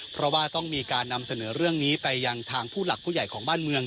เพราะว่าต้องมีการนำเสนอเรื่องนี้ไปยังทางผู้หลักผู้ใหญ่ของบ้านเมือง